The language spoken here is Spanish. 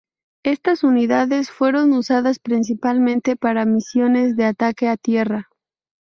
Estas unidades fueron usadas principalmente para misiones de ataque a tierra.